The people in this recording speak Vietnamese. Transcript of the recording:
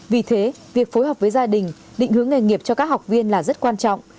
vì thế việc phối hợp với gia đình định hướng nghề nghiệp cho các học viên là rất quan trọng